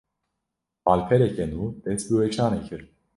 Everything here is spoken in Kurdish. Malpereke nû, dest bi weşanê kir